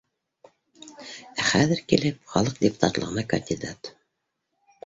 Ә хәҙер килеп, халыҡ депутатлығына кандидат